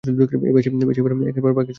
বেশ, এবার বাকিরা সবাই এই দিকে।